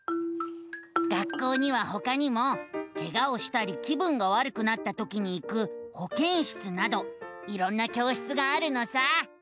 学校にはほかにもケガをしたり気分がわるくなったときに行くほけん室などいろんな教室があるのさ。